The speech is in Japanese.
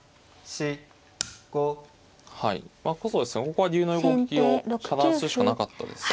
ここは竜の動きを遮断するしかなかったです。